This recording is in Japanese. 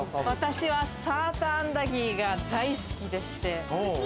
私はサーターアンダギーが大好きでして。